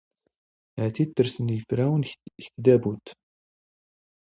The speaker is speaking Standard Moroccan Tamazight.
ⵀⴰⵜⵉ ⵜⵜⵔⵙⵏ ⵉⴼⵔⴰⵡⵏ ⴳ ⵜⴷⴰⴱⵓⵜ.